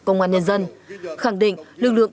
công an nhân dân khẳng định lực lượng